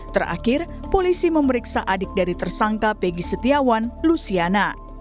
terakhir polisi memeriksa adik dari tersangka peggy setiawan lusiana